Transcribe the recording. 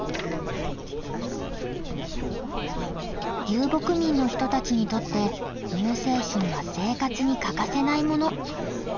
遊牧民の人たちにとって乳製品は生活に欠かせないもの。